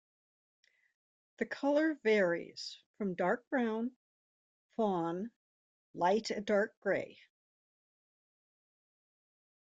The colour varies from dark brown, fawn, light and dark grey.